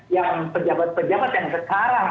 yang pejabat pejabat yang sekarang